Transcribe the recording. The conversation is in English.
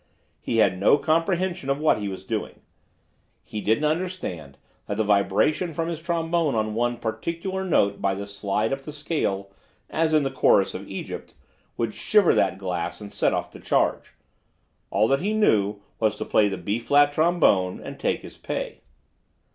"He had no comprehension of what he was doing. He didn't understand that the vibration from his trombone on one particular note by the slide up the scale—as in the chorus of Egypt—would shiver that glass and set off the charge. All that he knew was to play the B flat trombone and take his pay."